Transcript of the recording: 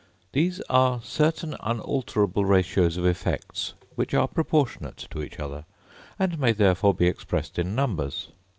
These are certain unalterable ratios of effects which are proportionate to each other, and may therefore be expressed in numbers.